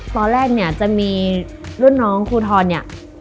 ตอนแรกเนี่ยจะมีรุ่นน้องครูทรเนี่ย